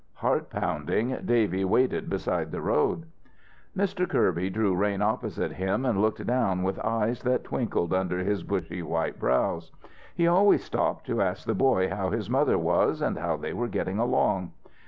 Heart pounding, Davy waited beside the road. Mr. Kirby drew rein opposite them and looked down with eyes that twinkled under his bushy white brows. He always stopped to ask the boy how his mother was, and how they were getting along.